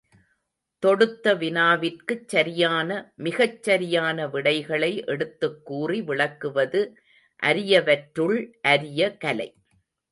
தொடுத்த வினாவிற்குச் சரியான, மிகச் சரியான விடைகளை எடுத்துக்கூறி விளக்குவது அரியவற்றுள் அரிய கலை.